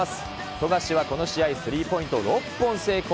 富樫はこの試合スリーポイント６本成功。